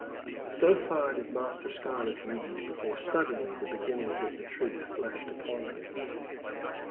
So far did Master Scarlett read before suddenly the beginnings of the truth flashed upon him.